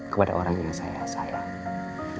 kepada orang yang saya sayangkan